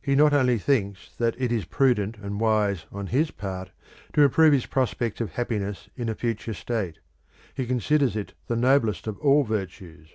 He not only thinks that it is prudent and wise on his part to improve his prospects of happiness in a future state; he considers it the noblest of all virtues.